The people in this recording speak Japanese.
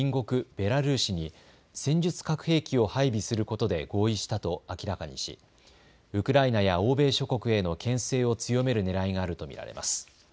ベラルーシに戦術核兵器を配備することで合意したと明らかにしウクライナや欧米諸国へのけん制を強めるねらいがあると見られます。